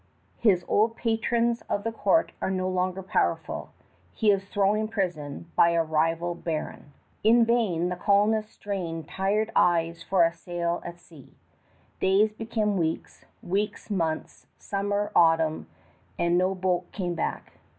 His old patrons of the court are no longer powerful. He is thrown in prison by a rival baron. In vain the colonists strain tired eyes for a sail at sea. Days become weeks, weeks months, summer autumn; and no boat came back.